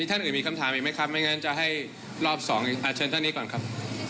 ท่านอื่นมีคำถามอีกไหมครับไม่งั้นจะให้รอบสองอีกเชิญท่านนี้ก่อนครับ